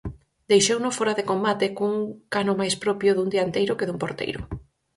Deixouno fóra de combate cun cano máis propio dun dianteiro que dun porteiro...